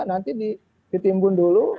nanti ditimbun dulu